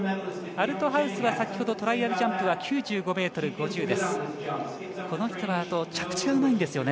アルトハウスは先ほどトライアルジャンプは９２ｍ５０です。